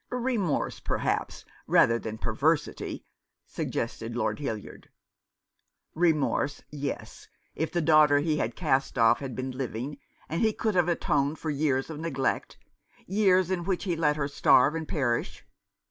" Remorse, perhaps, rather than perversity," suggested Lord Hildyard. " Remorse, yes, if the daughter he had cast off had been living, and he could have atoned for years of neglect — years in which he let her starve and perish.